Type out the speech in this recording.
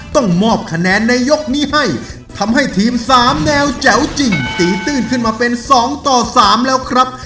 ต้องมอบคะแนนในยกนี้ให้ทำให้ทีมสามแนวแจ๋วจริงตีตื้นขึ้นมาเป็น๒ต่อ๓แล้วครับ